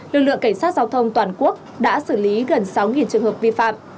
lực lượng kiểm soát giao thông toàn quốc đã xử lý gần sáu trường hợp vi phạm